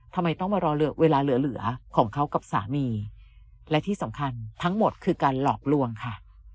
ทำไมต้องมารอเวลาเหลือเหลือของเขากับสามีและที่สำคัญทั้งหมดคือการหลอกลวงค่ะ